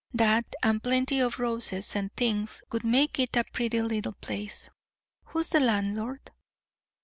That and plenty of roses and things would make it a pretty little place. Who is the landlord?"